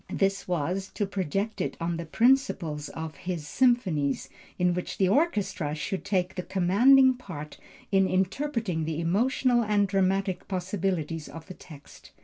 This was, to project it on the principle of his Symphonies, in which the orchestra should take the commanding part in interpreting the emotional and dramatic possibilities of the text.